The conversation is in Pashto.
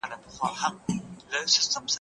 هغه استاد چي لارښود ټاکل کېږي باید پوهه ولري.